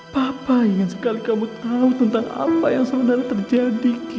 papa ingin sekali kamu tahu tentang apa yang sebenarnya terjadi